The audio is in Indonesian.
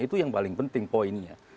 itu yang paling penting poinnya